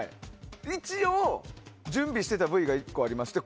一応、準備してたＶが１個ありまして。